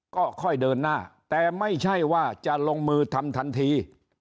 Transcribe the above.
ก็ค่อยเดินหน้าแต่ไม่ใช่ว่าจะลงมือทำทันที